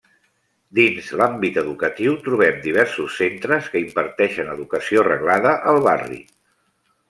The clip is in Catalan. Dins l'àmbit educatiu trobem diversos centres que imparteixen educació reglada al barri.